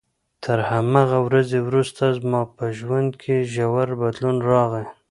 تر همغې ورځې وروسته زما په ژوند کې ژور بدلون راغی.